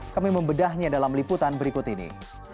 kami membedahnya dalam liputan berikut ini